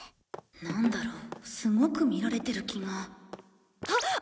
なんだろうすごく見られてる気があっ！